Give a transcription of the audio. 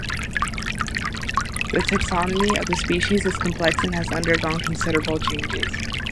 The taxonomy of the species is complex and has undergone considerable changes.